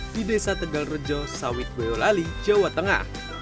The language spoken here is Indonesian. di desa tegal rejo sawit boyolali jawa tengah